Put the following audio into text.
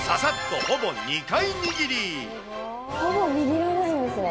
ほぼ握らないんですね。